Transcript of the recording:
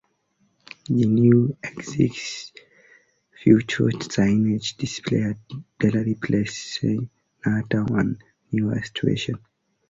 The new exit features signage displayed at Gallery Place-Chinatown and newer stations.